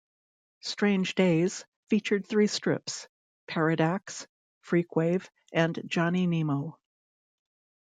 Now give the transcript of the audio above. "Strange Days" featured three strips, "Paradax", "Freakwave", and "Johnny Nemo".